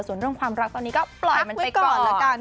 ส่วนเรื่องความรักตอนนี้ก็ปล่อยมันไปก่อน